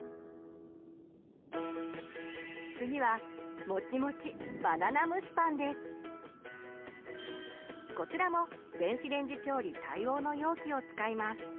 次はこちらも電子レンジ調理対応の容器を使います。